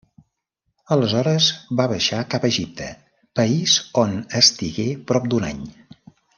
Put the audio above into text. Aleshores va baixar cap a Egipte, país on estigué prop d'un any.